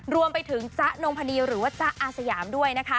รวมไปถึงจ๊ะนกพรนีหรือว่าจ๊ะอาสยามด้วย